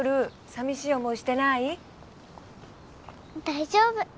大丈夫。